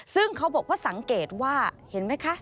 ซึ่งเขาบอกว่าสังเกตว่าเห็นไหมคะ